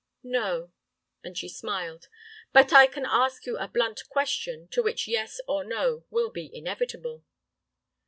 "No," and she smiled; "but I can ask you a blunt question, to which 'yes' or 'no' will be inevitable."